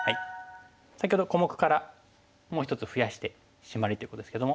先ほど小目からもう１つ増やしてシマリということですけども。